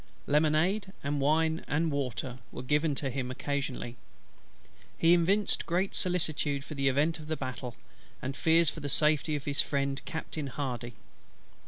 Lemonade, and wine and water, were given to him occasionally. He evinced great solicitude for the event of the battle, and fears for the safety of his friend Captain HARDY.